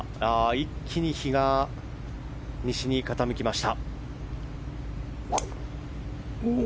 一気に日が西に傾きました。